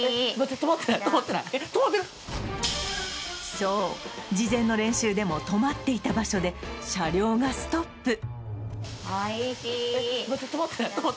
そう事前の練習でも止まっていた場所で車両がストップえっ？